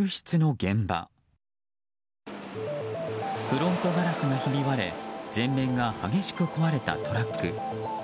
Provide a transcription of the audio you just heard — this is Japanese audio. フロントガラスがひび割れ前面が激しく壊れたトラック。